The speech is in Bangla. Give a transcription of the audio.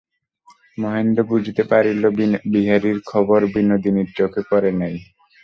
মহেন্দ্র বুঝিতে পারিল, বিহারীর খবর বিনোদিনীর চোখে পড়ে নাই।